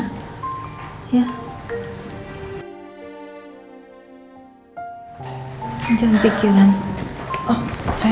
tapi mama bilang udahlah nanti ma bisa handle kamu di sini ya